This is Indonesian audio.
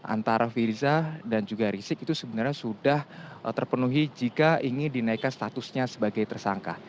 antara firza dan juga risik itu sebenarnya sudah terpenuhi jika ingin dinaikkan statusnya sebagai tersangka